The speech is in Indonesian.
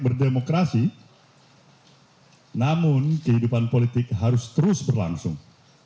berdemokrasi namun kehidupan politik harus terus berlangsung